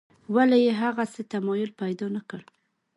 ولې یې هغسې تمایل پیدا نکړ.